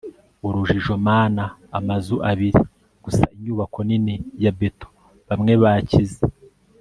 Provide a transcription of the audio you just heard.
urujijo mana! amazu abiri gusa, inyubako nini ya beto bamwe bakize